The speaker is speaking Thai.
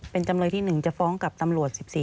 เป็นจำเลยที่๑จะฟ้องกับตำรวจ๑๔